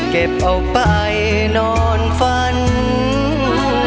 เก็บเอาไปนอนฟันและมือ